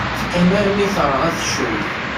Teqqim armi terɣa teccuyt.